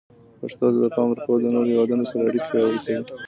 پښتو ته د پام ورکول د نورو هیوادونو سره اړیکې پیاوړي کوي.